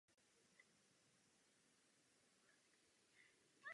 Místo toho musíme prostě udělat, co je možné.